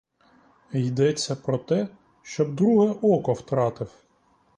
Йдеться про те, щоб друге око втратив.